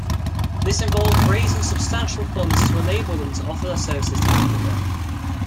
This involved raising substantial funds to enable them to offer their services to Africa.